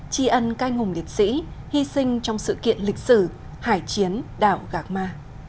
chi ân các anh hùng liệt sĩ hy sinh trong sự kiện lịch sử hải chiến đảo gạc ma